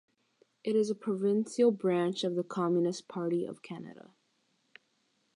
It is a provincial branch of the Communist Party of Canada.